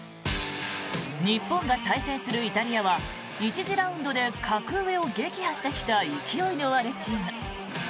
日本が対戦するイタリアは１次ラウンドで格上を撃破してきた勢いのあるチーム。